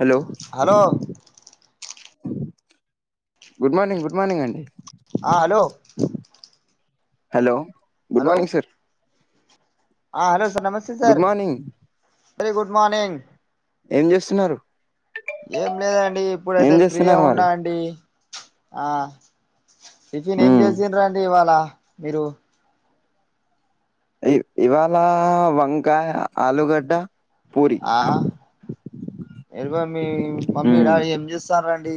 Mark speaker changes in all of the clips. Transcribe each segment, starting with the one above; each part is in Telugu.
Speaker 1: hello
Speaker 2: hello
Speaker 1: good morning good morning అండి
Speaker 2: ఆ hello
Speaker 1: hello good
Speaker 2: hello
Speaker 1: morning sir
Speaker 2: ఆ హలో సార్ నమస్తే
Speaker 1: good
Speaker 2: sir
Speaker 1: morning
Speaker 2: very good morning
Speaker 1: ఏం చేస్తున్నారు
Speaker 2: ఏం లేదండి
Speaker 1: ఏం
Speaker 2: ఇప్పుడైతే ఫ్రీగా
Speaker 1: చేస్తున్నారు మరి
Speaker 2: ఉన్నా అండి ఆ టిఫిన్ ఏం
Speaker 1: మ్మ్
Speaker 2: చేసినరు రండి ఇవాళ మీరు
Speaker 1: ఇ ఇవాళ వంకాయ ఆలుగడ్డ పూరి
Speaker 2: ఆ ఎర [unintelligible] మీ మమ్మీ
Speaker 1: మ్మ్
Speaker 2: డాడ ఏం చేస్తన్నండి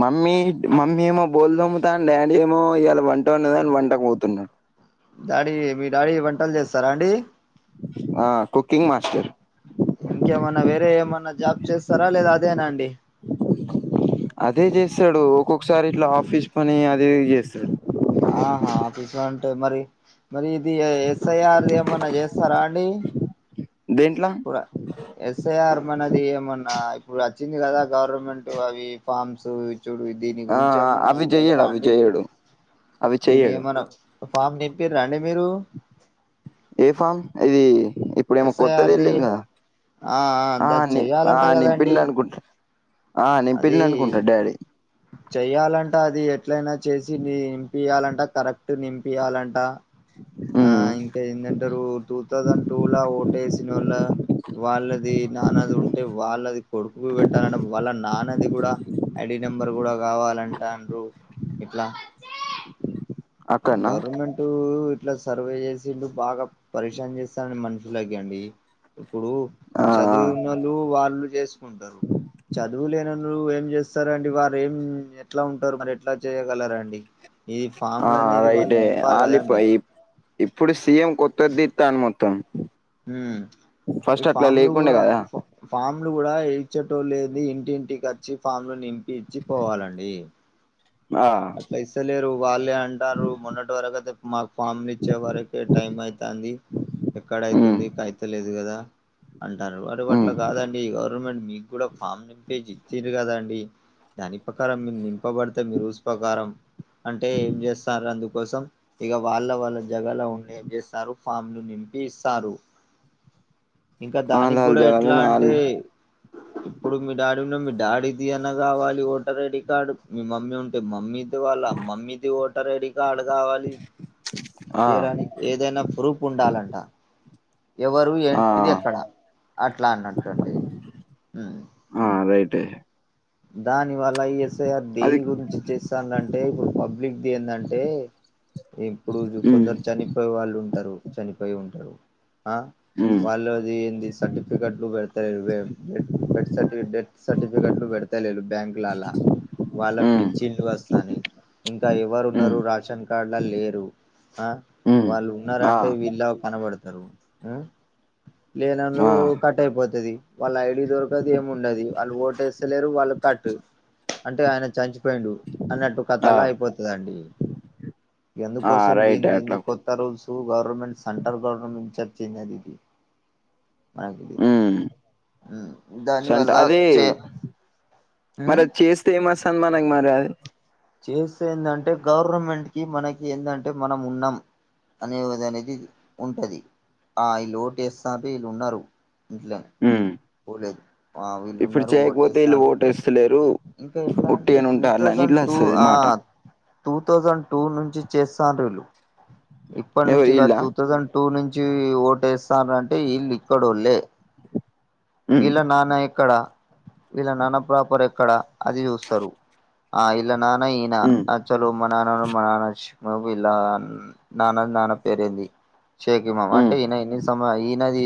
Speaker 1: మమ్మీ మమ్మీ ఏమో బోల్దొమ్ముతా అని డాడీ ఏమో ఇలా వంట ఊన్నదని వంటకు పోతున్నాడు
Speaker 2: డాడీ మీ డాడీ వంటలు చేస్తారా అండి
Speaker 1: ఆ కుకింగ్ మాస్టర్
Speaker 2: ఇంకేమన్నా వేరే ఏమన్నా జాబ్ చేస్తారా లేదా అదేనా అండి
Speaker 1: అదే చేస్తాడు ఒక్కొక్కసారి ఇట్లా ఆఫీస్ పని అదే చేస్తాడు
Speaker 2: ఆహా ఆఫీస్లో అంటే మరి మరి ఇది ఎస్ఐఆర్ది ఏమన్నా చేస్తారా అండి
Speaker 1: దేంట్లా
Speaker 2: కూడా ఎస్ఐఆర్ మనది ఏమన్నా ఇప్పుడు వచ్చింది కదా గవర్నమెంట్ అవి ఫామ్స్ చూడు దీని
Speaker 1: ఆ
Speaker 2: గురించి ఏమన్నా
Speaker 1: అవి చెయ్యడు
Speaker 2: తెలుసా
Speaker 1: అవి
Speaker 2: అండి
Speaker 1: చెయ్యడు అవి
Speaker 2: దీని
Speaker 1: చెయ్యడు
Speaker 2: ఏమన్నా ఫామ్ నింపిరా అండి మీరు
Speaker 1: ఏ ఫామ్ ఇది ఇప్పుడేమో కొత్తది
Speaker 2: ఎస్ఐఆర్ది
Speaker 1: వెళ్ళింది కా
Speaker 2: ఆ
Speaker 1: ఆ
Speaker 2: ద
Speaker 1: ని ఆ
Speaker 2: చెయ్యాలంట కదండి
Speaker 1: నింపింది అనుకుంటు
Speaker 2: అది చెయ్యాలంట అది ఎట్లయినా చేసి నింపియాలంట కరెక్ట్ నింపియాలంట ఆ
Speaker 1: ఉమ్
Speaker 2: ఇంకా ఏం దంటరు టూ థౌజండ్ టూ లో ఓటు వేసిన వాళ్ళ వాళ్ళది నాన్నది ఉంటే వాళ్ళది కొడుకుకి పెట్టాలంట వాళ్ళ నాన్నది కూడా ఐడి నెంబర్ కూడా కావాలంటన్నారు ఇట్లా ఇ
Speaker 1: అక్కడనా
Speaker 2: గవర్నమెంట్ ఇట్లా సర్వే చేసిండు బాగా పరిశాన్ చేస్తానని మనుషులాగ అండి ఇప్పుడు
Speaker 1: ఆ
Speaker 2: చదివున్నళ్ళు వాళ్ళు చేసుకుంటారు చదువులేన ఏం చేస్తారండి వారు ఏం ఎట్లా ఉంటారు మరి ఎట్లా చేయగలరండి ఇ ఫామ్
Speaker 1: ఆ రైటే అలిపో ఇ ఇప్పుడు సీఎం కొత్తదిదిస్తాను మొత్తం
Speaker 2: ఉం ఈ
Speaker 1: ఫస్ట్ అట్లా
Speaker 2: ఫామ్లు
Speaker 1: లేకుండే
Speaker 2: కూడా
Speaker 1: కదా
Speaker 2: ఫామ్లు కూడా ఇ ఇచ్చేటోళ్లేంది ఇంటింటికి వచ్చి ఫామ్ లో నింపి ఇచ్చి పోవాలండి
Speaker 1: ఆ
Speaker 2: లేరు వాళ్ళే అంటారు మొన్నటి వరకు అయితే మాకు ఫామ్లు ఇచ్చే వరకే టైం అయితుంది
Speaker 1: ఉమ్
Speaker 2: ఎక్కడైతుందికా అయితేలేదు కదా అంటరూ [unintelligible]
Speaker 1: ఉమ్
Speaker 2: అట్లా కాదండి గవర్నమెంట్ మీకు కూడా ఫామ్ నింపే ఇచ్చంది కదండి దాని ప్రకారం మీరు నింపబడితే మీరు రూల్స్ ప్రకారం అంటే ఏం చేస్తారు అందుకోసం ఇగ వాళ్ళ వాళ్ళ జగలో ఉండి ఏమ్ చేస్తారు ఫామ్లు నింపి ఇస్తారు ఇంకా దానికి
Speaker 1: ఆలాల్
Speaker 2: కూడా ఎట్లా
Speaker 1: జగనన్న
Speaker 2: అంటే
Speaker 1: ఆల్
Speaker 2: ఇప్పుడు మీ డాడీ ఉన్నా మీ డాడీది అనా కావాలి ఓటర్ ఐడి కార్డు మీ మమ్మీ ఉ మమ్మీది వాళ్ళ మమ్మీది ఓటర్ ఐడి కార్డు కావాలి
Speaker 1: ఆ
Speaker 2: తీయడానికి ఏదైనా ప్రూఫ ఉండాలంట ఎవరు
Speaker 1: ఆ
Speaker 2: ఏంటిది అక్కడ అట్లా అన్నట్లు అండి
Speaker 1: ఆ రైటే
Speaker 2: దాని వల్ల ఈఎస్ఐఆర్
Speaker 1: అది
Speaker 2: దేని గురించి చేస్తనుంటే ఇప్పుడు పబ్లిక్ ది దేనిందంటె ఇప్పుడు
Speaker 1: ఉమ్
Speaker 2: కొందరు చనిపోయ వాళ్ళు ఉంటారు చనిపోయి ఉంటారు ఆ
Speaker 1: ఉమ్
Speaker 2: వాళ్ళు అది ఏంది సర్టిఫికెట్లు పెడతారు ఇరవై ఒకటి బెత్ సర్టిఫికెట్ డెత్ సర్టిఫికెట్లు పెడతాలె బ్యాంక్ లల్ల వాళ్ళ
Speaker 1: ఉమ్
Speaker 2: పెంచిళ్లు వస్తాయి ఇంకా
Speaker 1: ఉమ్
Speaker 2: ఎవరున్నారు రాషన్ కార్డుల లేరు ఆ
Speaker 1: ఉమ్
Speaker 2: వాళ్ళు
Speaker 1: ఆ
Speaker 2: ఉన్నారంటే వీళ్లా కనబడతారు ఆ లేనోళ్లు
Speaker 1: ఆ
Speaker 2: కట్ అయిపోతది వాళ్ళ ఐడి దొరకదు ఏమి ఉండది వాళ్ళు ఓటేస్తేలేరు వాళ్ళు కట్ అంటే ఆయన చంచి పోయిండు అన్నట్టు
Speaker 1: ఆ
Speaker 2: కథలా అయిపోతుందిండి
Speaker 1: ఆ
Speaker 2: ఎందుకోసం
Speaker 1: రైట్
Speaker 2: దీని దీన్న
Speaker 1: అట్లా
Speaker 2: కొ కొత్త రూల్స్ గవర్నమెంట్ స్ సెంట్రల్ గవర్నమెట్ చర్చ ఇది మాకు ఇది
Speaker 1: ఉమ్
Speaker 2: దాని
Speaker 1: సంట
Speaker 2: వల్ల
Speaker 1: అది
Speaker 2: వచ్చే
Speaker 1: మరి అది చేస్తే ఏమి వస్తాంది మనకి మరి అది
Speaker 2: చేస్తే ఏందంటే గవర్నమెంట్ కి మనకి ఏందంటే మనం ఉన్నాం అనే వది అనేది ఉంటది ఆ ఈలు లోటే వేస్తాంది వీళ్ళు ఉన్నారు ఇంట్లో
Speaker 1: ఉమ్
Speaker 2: ఊ లేర్ ఆ వీళ్ళు ఉన్నారు ఓటేస్తాండ్రు
Speaker 1: లేరు
Speaker 2: ఇంకా ఎట్లా అంటే టూ థౌజండ్ టూ
Speaker 1: వస్తది
Speaker 2: ఆ
Speaker 1: మాట
Speaker 2: టూ థౌజండ్ టూ నుంచి చేస్తా డ్రు వీళ్లు ఇప్పటి నుంచి
Speaker 1: ఎవరు ఈళ్ళ
Speaker 2: కాదు టూ థౌజండ్ టూ నుంచి ఓటేస్తారంటే ఈళ్లు ఇక్కడొల్లే
Speaker 1: ఉమ్
Speaker 2: వీళ్ళ నాన్న ఎక్కడ వీళ్ళ నాన్నపపర్ ఎక్కడ అది చూస్తారు ఆ ఇళ్ళ నాన్న ఈయన
Speaker 1: ఉమ్
Speaker 2: చాలు మా నాన్న మా నాన్నచ్చ మలా వీళ్ళ నాన్న నాన్న పేరేంది షేక మామ్
Speaker 1: ఉమ్
Speaker 2: అంటే ఈయన ఇన్ని సమ ఈయనది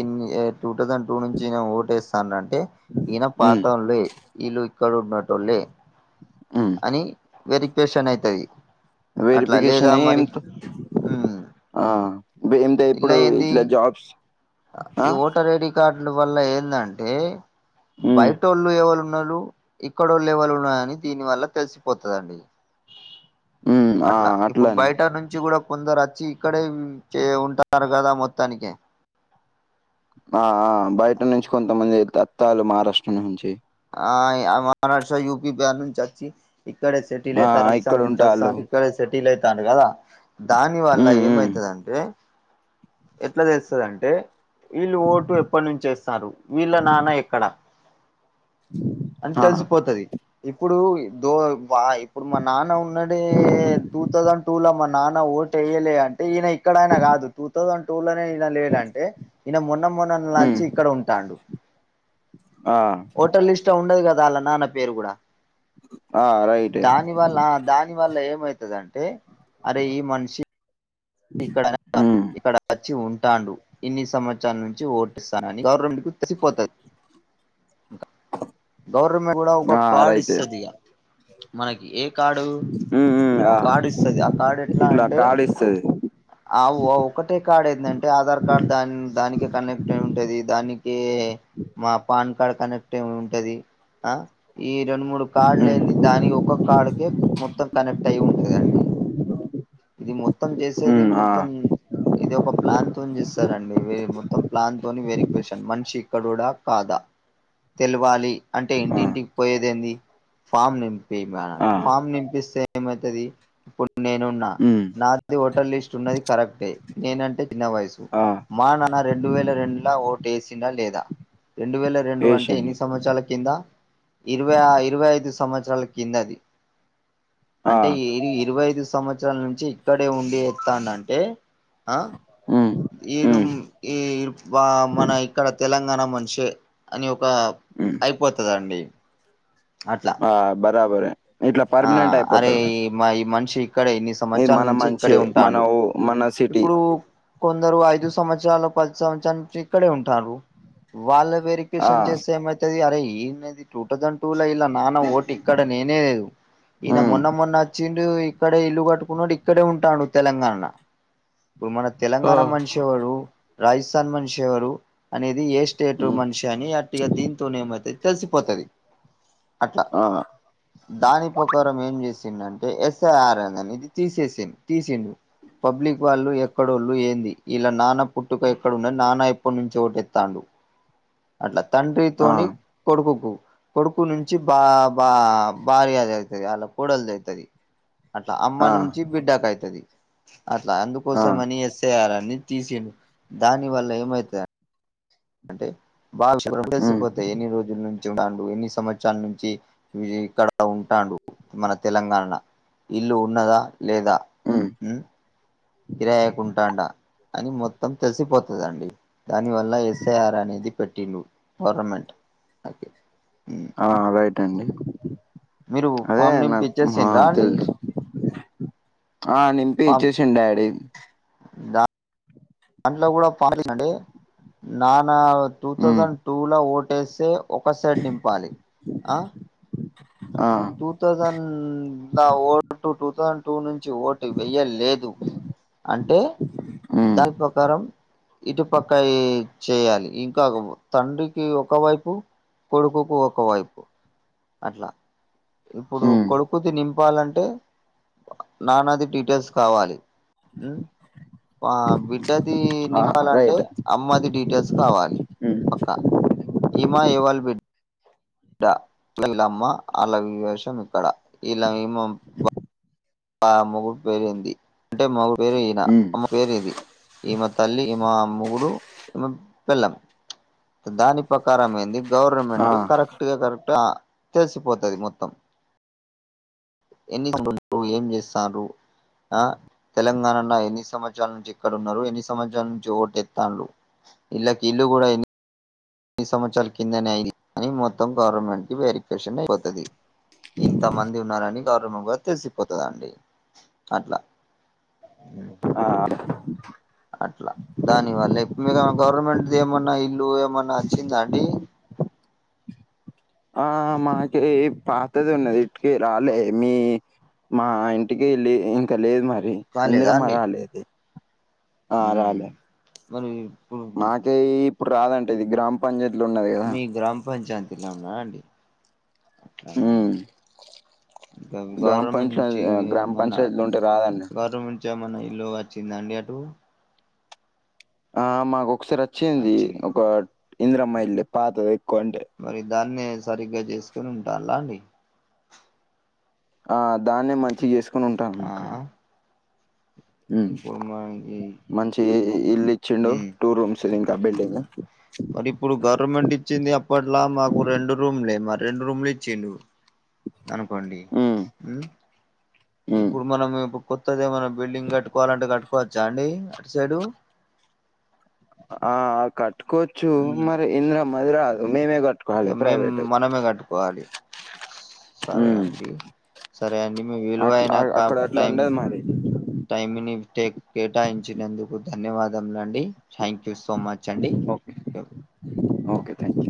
Speaker 2: టూ థౌజండ్ టూ నుంచి నేను ఓటేస్తాన అంటే ఈయన
Speaker 1: ఉమ్
Speaker 2: పాతం లే వీల్ళు ఇక్కడ ఉన్నటోళ్లే
Speaker 1: ఉమ్
Speaker 2: అని వెరిఫికేషన్ అయితాయి
Speaker 1: వెరిఫికేషన్ అయ్యి ఏ
Speaker 2: ఉమ్
Speaker 1: ఆ ఇప్పుడు ఏందో
Speaker 2: ఇలా
Speaker 1: ఇప్పుడు
Speaker 2: ఏంది
Speaker 1: ఇట్లా జాబ్స్ ఆ
Speaker 2: ఈ ఓటర్ ఐడి కార్డుల వల్ల ఏందంటే
Speaker 1: ఉమ్
Speaker 2: బయట వాళ్ళు ఎవరు ఉన్నారు ఇక్కడళ్ళెవళ్ళు ఉన్నాయని దీని వల్ల తెలిసిపోతుందండి
Speaker 1: ఉమ్ ఆ
Speaker 2: అట్లా ఇప్పుడు
Speaker 1: అట్లానే
Speaker 2: బయట నుంచి కూడా కొందరు వచ్చి ఇక్కడే చే ఉంటారు కదా మొత్తానికి
Speaker 1: ఆ ఆ బయట నుంచి కొంతమంది తత్తాలు మహారాష్ట్ర నుంచి
Speaker 2: ఆ యా మహారాష్ట్ర యూపి బ్యాలంచ్ వచ్చి ఇక్కడే సెటిల్
Speaker 1: ఆ
Speaker 2: అయితారు
Speaker 1: ఇక్కడ
Speaker 2: సంత
Speaker 1: ఉంటాళ్ళు
Speaker 2: సారా ఇక్కడే సెటిల్ అయితారు కదా దాని వల్ల
Speaker 1: ఉమ్ ఉమ్
Speaker 2: ఏమైతది అంటే ఎట్లా తెలుస్తుదంటే వీళ్ళు ఓటు ఎప్పటి నుంచి ఏస్తరు వీళ్ళ నాన్న ఎక్కడ
Speaker 1: అ
Speaker 2: అని తెలిసిపోతది ఇప్పుడు దో వా ఇప్పుడు మా నాన్న ఉన్నడే టూ థౌసండ్ టూ ల మా నాన్న ఓట్ యలే అంటే ఈయన ఇక్కడ ఆయిన కాదు టూ థౌసండ్ టూ లనే ఈయన లేదంటే ఈన మొన్న మొన్న నల్
Speaker 1: ఉమ్
Speaker 2: నచ్చి ఇక్కడ ఉంటాడు
Speaker 1: ఆ
Speaker 2: హోటల్ లిస్ట్ ల ఉండదు కదా వాళ్ళ నాన్న పేరు కూడా
Speaker 1: ఆ రైట్ ఏ
Speaker 2: దాని వల్ల ఆ దాని వల్ల ఏమయితదంటే అరే ఈ మనిషి ఇక్కడనక
Speaker 1: ఉమ్
Speaker 2: ఇక్కడ వచ్చి ఉంటాండు ఇన్ని సంవత్సరాల నుంచి ఓట్ ఏస్తానని గవర్నమెంట్ కు తెసిపోతది ఇంకా గవర్నమెంట్ కూడా ఒక
Speaker 1: ఆ
Speaker 2: కార్డు
Speaker 1: రైటే
Speaker 2: ఇస్తది మనకి ఏ కార్డు
Speaker 1: ఉమ్ ఉమ్ ఆ
Speaker 2: ఒక కార్డు ఇస్తది ఆ కార్డు ఎట్లా అంటే
Speaker 1: సరే
Speaker 2: ఆ ఒ ఒకటే కార్డు ఏందంటే ఆధార్ కార్డు దాని దానికి కనెక్ట్ అయి ఉంటది దానికి మా పాన్ కార్డ్ కనెక్ట్ ఏ ఉంటది ఆ ఈ రెండు మూడు కార్డులు
Speaker 1: ఉమ్
Speaker 2: ఏంది దాని ఒక్క కార్డుకే మొత్తం కనెక్ట్ అయి ఉంటదండి ఇది మొత్తం చేసేది
Speaker 1: ఉమ్ ఆ
Speaker 2: మొత్తం ఇది ఒక ప్లాన్ తోని చేస్తారండి వె మొత్తం ప్లాన్ తోని వేరిక్వాషన్ మనిషి ఇక్కడోడా కాదా తెలువాలి అంటే
Speaker 1: ఆ
Speaker 2: ఇంటింటికి పోయేది ఏంది ఫామ్ నింపి మనాలి
Speaker 1: ఆ
Speaker 2: ఫామ్ నింపిస్తే ఏమయితది ఇప్పుడు నేనున్నా
Speaker 1: ఊ
Speaker 2: నాది ఓటర్ లిస్ట్ ఉన్నది కరెక్టే నేనంటే చిన్న వయసు
Speaker 1: ఆ
Speaker 2: మా నాన్న రెండు వేల రెండులా ఓటు వేసిండా లేదా రెండు వేల రెండు అంటే ఎన్ని
Speaker 1: ఏషండి
Speaker 2: సంవత్సరాల కింద ఇరవై ఆ ఇరవై ఐదు సంవత్సరాల కింద అది
Speaker 1: ఆ
Speaker 2: అంటే ఇ ఇరవై ఐదు సంవత్సరాల నుంచి ఇక్కడే ఉండి చేస్తాండంటే ఆ
Speaker 1: ఉమ్
Speaker 2: ఈడు
Speaker 1: ఉమ్
Speaker 2: ఈ మా మన ఇక్కడ తెలంగాణ మనిషె అని ఒక
Speaker 1: ఉమ్
Speaker 2: అయిపోతదండి అట్లా
Speaker 1: ఆ బరాబరె ఇట్లా
Speaker 2: ఆ
Speaker 1: పర్మనెంట్
Speaker 2: అరే
Speaker 1: అయిపోతాడు
Speaker 2: మా ఈ మనిషి ఇక్కడే ఇన్ని
Speaker 1: ఇది
Speaker 2: సంవత్సరాల
Speaker 1: మన
Speaker 2: నుంచి
Speaker 1: మంచి
Speaker 2: ఇక్కడే
Speaker 1: మన
Speaker 2: ఉంటాండు
Speaker 1: ఊ మన సిటీ
Speaker 2: ఇప్పుడు కొందరు ఐదు సంవత్సరాలు పది సంవత్సరాల నుంచి ఇక్కడే ఉంటారు వాళ్ళ వేరి
Speaker 1: ఆ
Speaker 2: ప్లికెషన్ చేస్తే ఏమైతది అరే ఏందిది టూ థౌజండ్ టూ లో ఇలా నానా ఓటు ఇక్కడ నేనే లేదు ఈన
Speaker 1: ఉమ్
Speaker 2: మొన్న మొన్న వచ్చిండు ఇక్కడే ఇల్లు కట్టుకున్నాడు ఇక్కడే ఉంటాండు తెలంగాణన ఇప్పుడు మన తెలంగాణ మనిషి ఎవరు రాజస్థాన్ మనిషి ఎవరు అనేది ఏ స్టేట్
Speaker 1: ఉమ్
Speaker 2: మనిషి అని అట్టిగ దీంతోని ఏమైతది తెలిసిపోతది అట్లా
Speaker 1: ఆ
Speaker 2: దాని పకారం ఏం చేసిండు అంటే ఎస్ఐఆర్ అనేది తీసేసిండు తీసిండు పబ్లిక్ వాళ్ళు ఎక్కడోళ్ళు ఏంది ఇలా నానా పుట్టుక ఎక్కడున్నది నాన్న ఎప్పటి నుంచి ఓటెస్తండు అట్లా
Speaker 1: ఆ
Speaker 2: తండ్రితోని కొడుకుకు కొడుకు నుంచి బా బా భార్యది అది తది ఆల కూడల్ది ఐతది అట్లా అమ్మ
Speaker 1: ఆ
Speaker 2: నుంచి బిడ్డక ఐతది అట్లా
Speaker 1: ఆ
Speaker 2: అందుకోసమని ఎస్ఏఆర్ అని తీసిండు దాని వల్ల ఏమైత అంటే బాగా [unintelligible]
Speaker 1: ఉమ్
Speaker 2: సిపోతే ఎన్ని రోజుల నుంచి ఉంటాడు ఎన్ని సంవత్సరాల నుంచి వీ ఇక్కడ ఉంటాడు మన తెలంగాణల ఇల్లు ఉన్నదా లేదా
Speaker 1: ఉమ్
Speaker 2: వ్మ్ కిరాయికుంటాండా అని మొత్తం తెలిసిపోతదండి దాని వల్ల ఎస్ ఐ ఆర్ అనేది పెట్టిండు గవర్నమెంట్
Speaker 1: ఆ రైట్ అండి
Speaker 2: మీరు
Speaker 1: అదే
Speaker 2: ఫామ్
Speaker 1: నాకు మా
Speaker 2: నింపిచ్చేసిండ్రా అండి
Speaker 1: తెల్సు ఆ నింపి ఇచ్చేసిన్ డాడీ
Speaker 2: దా దాంట్లో కూడా [unintelligible] నాన్న టూ
Speaker 1: ఉమ్
Speaker 2: థౌసండ్ టూ లో ఓటేసే ఒక సైడ్ నింపాలి ఆ
Speaker 1: ఆ
Speaker 2: టూ థౌజండ్ ల ఓట్ టూ థౌజండ్ టూ ను ఓటు వెయ్యలేదు అంటే
Speaker 1: ఉమ్
Speaker 2: దాన్ ప్రకారం ఇటుపక్క ఏ చేయాలి ఇంకా ఓ తండ్రికి ఒకవైపు కొడుకుకు ఒకవైపు అట్లా ఇప్పుడు
Speaker 1: ఉమ్
Speaker 2: కొడుకు తి నింపాలంటే నాన్నది డీటెయిల్స్ కావాలి వ్మ్ బిడ్డది
Speaker 1: ఆ
Speaker 2: నింపాలంటే
Speaker 1: రైట్
Speaker 2: అమ్మది డీటెయిల్స్ కావాలి
Speaker 1: ఉమ్
Speaker 2: పక్క ఈమా ఏవాళు బేడ్ డ ఇలమ్మ అళ్ళ విషం ఇక్కడ ఇలా ఏమో ఆ మొగుడు పేరు ఏంది అంటే మొగురు పేరు ఈయన
Speaker 1: ఉమ్
Speaker 2: అమ్మ పేరు ఇది ఈమె తల్లి ఈమె మొగుడు ఈమె పెళ్ళాం దాని ప్రకారం ఏంది
Speaker 1: ఆ
Speaker 2: గవర్నమెంట్ కర కరెక్టా తెలిసిపోతది మొత్తం ఎన్ని నువు ఏం చేస్తాన్రు ఆ తెలంగాణల ఎన్ని సంవత్సరాల నుంచి ఇక్కడ ఉన్నారు ఎన్ని సంవత్సరాల నుంచి ఓటెత్తాన్లు ఇళ్లకు ఇల్లు కూడా అయ్యింది ఎన్ని సంవత్సరాల కిందనేయి అని మొత్తం గవర్నమెంట్ వెరిఫికేషన్ అయిపోతది ఇంత మంది ఉన్నారని గౌరమువ్వా తెసిపోతదండి అట్లా
Speaker 1: ఆ
Speaker 2: అట్లా దాని వల్ల ఇప్పు [inaudible] గవర్నమెంట్ ఏమన్నా ఇల్లు ఏమన్నా చ్చిందండి
Speaker 1: ఆ మాకి పాతది ఉన్నది ఇటికే రాలే మీ మా ఇంటికి ఏళ్లి ఇంకా లేదు మరి
Speaker 2: కాలేదా
Speaker 1: ఇందిరమ్మ
Speaker 2: అండి
Speaker 1: రాలేది
Speaker 2: ఉమ్ మరి ఇప్పు
Speaker 1: ఇ ఇప్పుడు రాదంట ఇది గ్రామ పంచాయతీ లో ఉన్నది కదా
Speaker 2: గ్రామ్పంచాయ తిన్నామా అండి అవునా
Speaker 1: ఉమ్
Speaker 2: ఇంకా
Speaker 1: గ్రామ
Speaker 2: గవర్నమెంట్
Speaker 1: పంచాయత్
Speaker 2: నుంచి
Speaker 1: గ్రామ
Speaker 2: మన
Speaker 1: పంచాయతీలో ఉంటే రాదండి
Speaker 2: గవర్నమెంట్ ఇచ్చ మన ఇల్లు వచ్చిందాండి అటు
Speaker 1: ఆ మాకు ఒకసారి వచ్చింది ఒక ఇందిరమ్మ ఇళ్లు పాతదికొంటే
Speaker 2: మరి దాన్నే సరిగ్గా చేసుకుని ఉంటాల్లా అండి
Speaker 1: ఆ దాన్నే మంచిగా చేసుకుని ఉంటాళ్లు మా
Speaker 2: ఆ
Speaker 1: అక్కడ వ్మ్
Speaker 2: ఇప్పుడు మనకి
Speaker 1: మంచి ఇ ఇల్లు ఇచ్చిండు
Speaker 2: ఉమ్
Speaker 1: టూ రూమ్స్ ఇంకా బిల్డింగ్
Speaker 2: ఉమ్ మరి ఇప్పుడు గవర్నమెంట్ ఇచ్చింది అప్పట్లా మాకు రెండు రూమ్లే మరి రెండు రూమ్లు ఇచ్చిళ్లు అనుకోండి
Speaker 1: ఉమ్
Speaker 2: ఉ
Speaker 1: ఉమ్
Speaker 2: ఇప్పుడు మనం కొత్తది ఏమైన్నా బిల్డింగ్ కట్టుకోవాలంటే కట్టుకోవచ్చా అండి అటు సైడు
Speaker 1: ఆ కట్టుకోవచ్చు మరి ఇంద్రమది రాదు మేమే కట్టుకో
Speaker 2: ఇక మేం మనమే కట్టుకోవాలి సరే అండి సరే అండి మీ విలువైన
Speaker 1: అట్లా
Speaker 2: క
Speaker 1: అక్కడ అట్లా
Speaker 2: టైం
Speaker 1: ఉండదు మరి
Speaker 2: టైమ్ని టేక్ కేటాయించినందుకు ధన్యవాదములండి థ్యాంక్ యూ సో మచ్ అండి
Speaker 1: ఓకే ఓకే థ్యాంక్ యూ